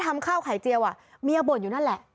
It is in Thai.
เมียบ่นอยู่นั่นแหละ